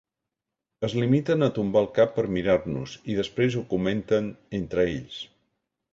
Es limiten a tombar el cap per mirar-nos i després ho comenten entre ells.